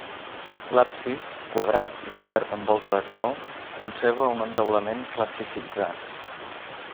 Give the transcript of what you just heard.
L'absis, quadrat i cobert amb volta de canó, conserva un entaulament classicitzant.